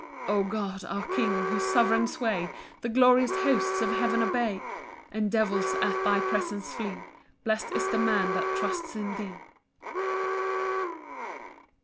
5 O God, our King, whose sovereign sway The glorious hosts of heaven obey, And devils at thy presence flee, Blest is the man that trusts in thee.